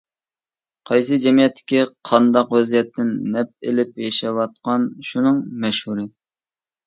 قايسى جەمئىيەتتىكى قانداق ۋەزىيەتتىن نەپ ئېلىپ ياشاۋاتقان شۇنىڭ مەشھۇرى.